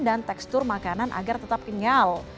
dan tekstur makanan agar tetap kenyal